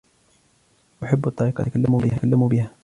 أحب الطريقة التي يتكلم بها.